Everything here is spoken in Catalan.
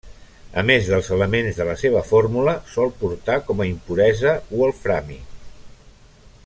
A més dels elements de la seva fórmula, sol portar com a impuresa wolframi.